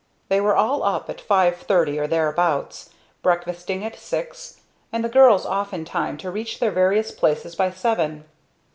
They were all up at five thirty or thereabouts, breakfasting at six, and the girls off in time to reach their various places by seven.